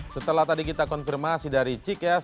setelah tadi kita konfirmasi dari cikes